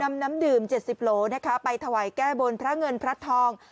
นำน้ำดื่ม๗๐โหลนะคะไปถวายแก้บนพระเงินพระทอง